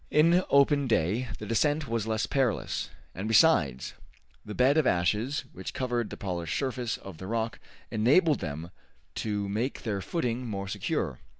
In open day the descent was less perilous, and, besides, the bed of ashes which covered the polished surface of the rock enabled them to make their footing more secure.